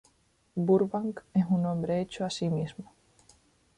Burbank es un hombre hecho a sí mismo.